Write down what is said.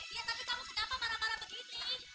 iya tapi kamu kenapa marah marah begini